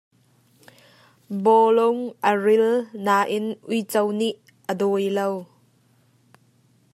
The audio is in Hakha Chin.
Bawlung a ril nain uico nih a dawi lo.